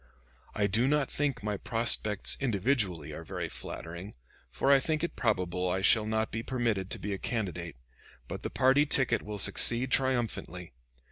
I do not think my prospects individually are very flattering, for I think it probable I shall not be permitted to be a candidate; but the party ticket will succeed triumphantly.